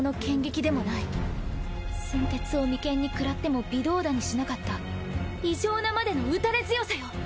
寸鉄を眉間にくらっても微動だにしなかった異常なまでの打たれ強さよ。